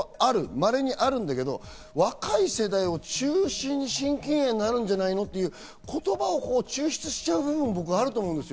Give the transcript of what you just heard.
稀にあるんだけど、若い世代を中心に心筋炎になるんじゃないの？っていう言葉を抽出しちゃう部分があると思うんです。